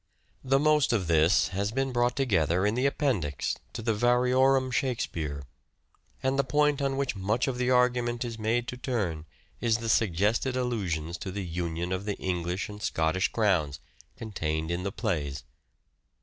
The most of this has been brought together in the appendix to the " Variorum Shake speare," and the point on which much of the argument is made to turn is the suggested allusions to the union of the English and Scottish crowns, contained in the plays.